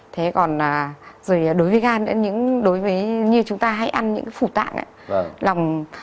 thế còn rồi đối với gan nữa như chúng ta hay ăn những cái phủ tạng